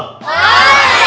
terima kasih pak dubez